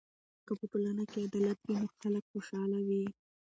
که په ټولنه کې عدالت وي نو خلک خوشحاله وي.